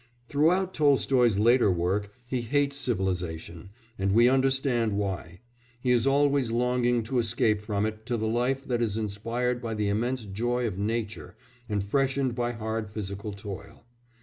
Throughout Tolstoy's later work he hates civilisation, and we understand why; he is always longing to escape from it to the life that is inspired by the immense joy of nature and freshened by hard physical toil.